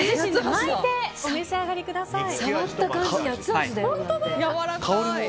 巻いてお召し上がりください。